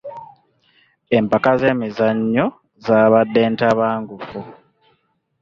Empaka z'emizannyo zaabadde ntabangufu.